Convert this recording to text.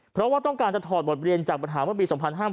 เพราะว่าต้องการจะถอดบทเรียนจากปัญหาเมื่อปี๒๕๕๘